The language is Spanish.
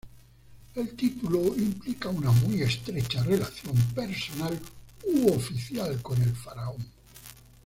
El título implica una muy estrecha relación personal u oficial con el faraón.